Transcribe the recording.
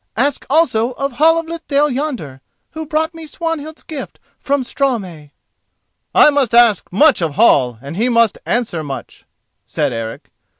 "Ask also of Hall of Lithdale yonder, who brought me Swanhild's gift from Straumey." "I must ask much of Hall and he must answer much," said Eric.